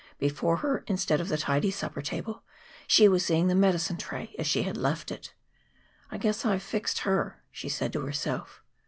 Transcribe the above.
Before her, instead of the tidy supper table, she was seeing the medicine tray as she had left it. "I guess I've fixed her," she said to herself.